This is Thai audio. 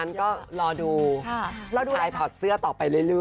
ทำเพื่ออะไรถึงสอนน้องย่า